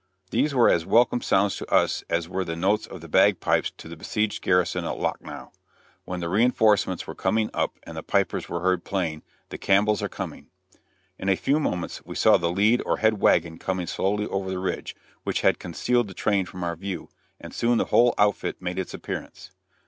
These were as welcome sounds to us as were the notes of the bag pipes to the beseiged garrison at Lucknow, when the reinforcements were coming up and the pipers were heard playing, "The Campbells are Coming." In a few moments we saw the lead or head wagon coming slowly over the ridge, which had concealed the train from our view, and soon the whole outfit made its appearance.